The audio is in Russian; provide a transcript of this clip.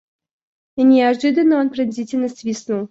– И неожиданно он пронзительно свистнул.